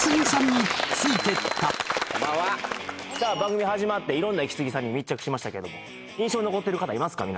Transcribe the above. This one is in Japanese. さあ番組始まって色んなイキスギさんに密着しましたけれども印象に残ってる方いますか？